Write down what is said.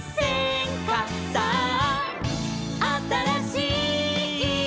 「さああたらしい」